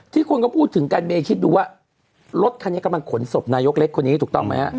คนก็พูดถึงกันเมย์คิดดูว่ารถคันนี้กำลังขนศพนายกเล็กคนนี้ถูกต้องไหมฮะ